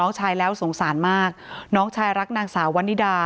คนเหา้วมันต้องซ่อยเหลือกันน